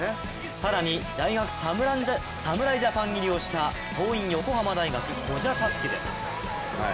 更に、大学侍ジャパン入りをした桐蔭横浜大学の古謝樹です。